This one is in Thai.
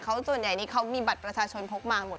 เขาส่วนใหญ่นี้เขามีบัตรประชาชนพกมาหมด